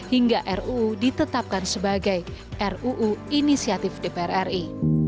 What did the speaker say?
hingga ruu ditetapkan sebagai ruu inisiatif dpr ri